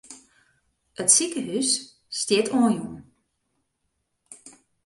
It sikehûs stiet oanjûn.